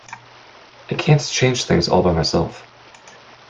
I can't change things all by myself.